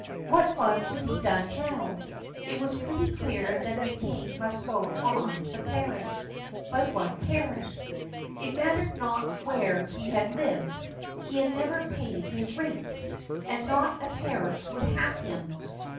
What was to be done now? It was pretty clear that the king must go on the parish. But what parish? It mattered not where he had lived, he had never paid his rates, and not a parish would have him.